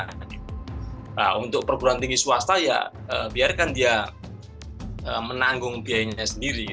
nah untuk perguruan tinggi swasta ya biarkan dia menanggung biayanya sendiri